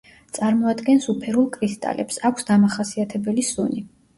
წარმოადგენს უფერულ კრისტალებს, აქვს დამახასიათებელი სუნი.